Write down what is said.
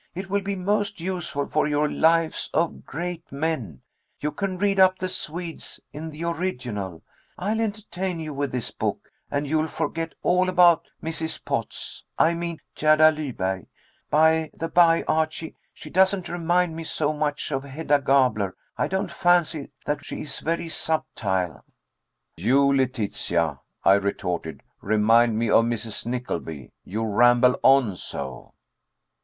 It will be most useful for your Lives of Great Men. You can read up the Swedes in the original. I'll entertain you with this book, and you'll forget all about Mrs. Potz I mean Gerda Lyberg. By the by, Archie, she doesn't remind me so much of Hedda Gabler. I don't fancy that she is very subtile." "You, Letitia," I retorted, "remind me of Mrs. Nickleby. You ramble on so."